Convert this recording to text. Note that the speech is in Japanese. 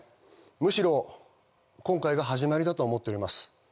むしろ今回が始まりだと思っております。